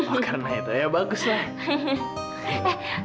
oh karena itu ya bagus ya